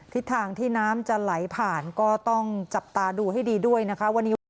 ทิศทางที่น้ำจะไหลผ่านก็ต้องจับตาดูให้ดีด้วยนะคะวันนี้ว่า